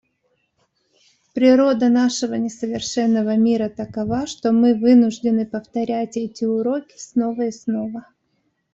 Природа нашего несовершенного мира такова, что мы вынуждены повторять эти уроки снова и снова.